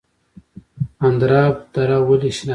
اندراب دره ولې شنه ده؟